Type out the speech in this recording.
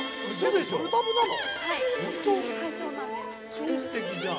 超すてきじゃん。